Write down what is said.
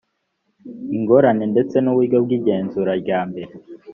ingorane ndetse n uburyo bw igenzura ryambere